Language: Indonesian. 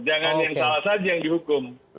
jangan yang salah saja yang dihukum